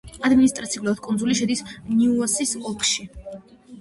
ადმინისტრაციულად კუნძული შედის ნიუასის ოლქში.